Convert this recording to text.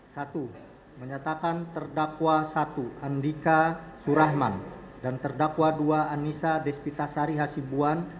satu menyatakan terdakwa satu andika surahman dan terdakwa dua anissa despita sari hasibuan